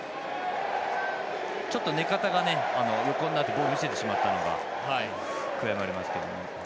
ちょっと寝方が横になってボール見せてしまったのが悔やまれますけども。